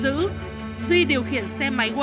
ở xã kim lũ